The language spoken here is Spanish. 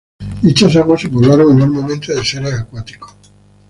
Dichas aguas se poblaron enormemente de seres acuáticos.